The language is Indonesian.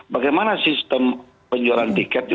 bagaimana sistem penjualan tiket